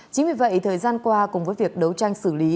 chính vì vậy thời gian qua cùng với việc đấu tranh xử lý